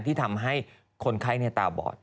ที่ทำให้คนไข้ตาบอด